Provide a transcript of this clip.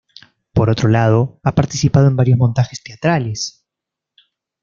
Por otro lado ha participado en varios montajes teatrales.